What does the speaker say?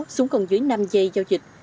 xuống gần dưới năm giây giao dịch